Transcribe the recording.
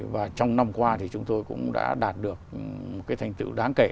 và trong năm qua thì chúng tôi cũng đã đạt được cái thành tựu đáng kể